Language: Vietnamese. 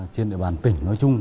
trên địa bàn tỉnh nói chung